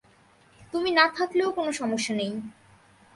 তুমি না থাকলেও কোনো সমস্যা নেই!